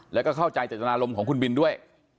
แล้วก็เข้าใจจัตนารมณ์ของคุณบินด้วย